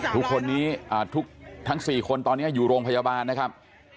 ทุกคนนี้ทั้ง๔คนตอนนี้อยู่โรงพยาบาลนะครับ